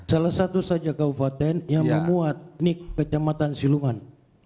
salah satu saja kabupaten yang memuat nik kecamatan siluman